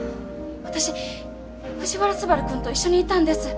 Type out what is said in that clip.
私藤原昴くんと一緒にいたんです。